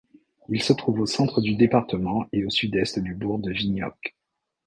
Il se trouve au centre du département et au sud-est du bourg de Vignoc.